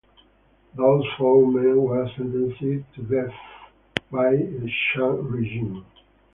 Those four men were sentenced to death by the Shah regime.